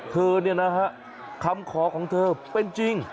เธอเนี่ยนะฮะคำขอของเธอเป็นจริง